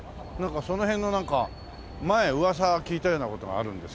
その辺のなんか前噂聞いたような事があるんですけどね。